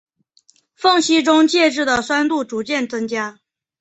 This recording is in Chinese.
缝隙中介质的酸度逐渐增加。